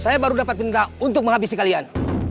saya baru dapat minta untuk menghabisi kalian